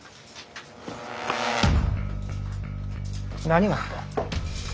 何があった。